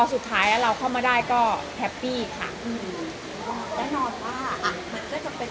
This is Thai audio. สุดท้ายอะเราเข้ามาได้ก็ค่ะอืมแน่นอนว่าอ่ามันก็จะเป็น